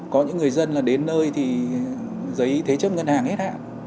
có những người dân là đến nơi thì giấy thế chấp ngân hàng hết hạn